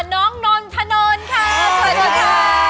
น้องนนทะนนค่ะสวัสดีค่ะ